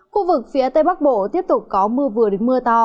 khu vực phía tây bắc bộ tiếp tục có mưa vừa đến mưa to